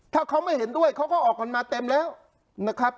ถ้าเขาไม่เห็นด้วยเขาก็ออกกันมาเต็มแล้วนะครับ